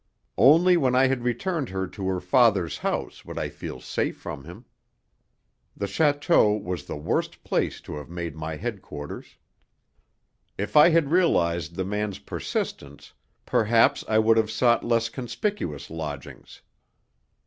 Only when I had returned her to her father's house would I feel safe from him. The château was the worst place to have made my headquarters. If I had realized the man's persistence, perhaps I would have sought less conspicuous lodgings.